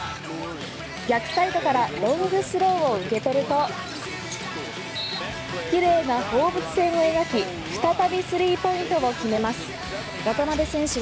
逆サイドからロングスローを受け取ると綺麗な放物線を描き再びスリーポイントを決めます。